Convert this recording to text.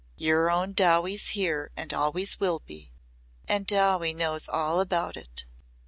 Your own Dowie's here and always will be and Dowie knows all about it."